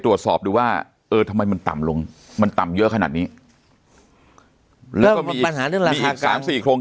ตรวจสอบดูว่าเออทำไมมันต่ำลงมันต่ำเยอะขนาดนี้มี๓๔โครง